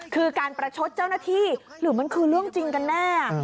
คือการประชดเจ้าหน้าที่หรือมันคือเรื่องจริงกันแน่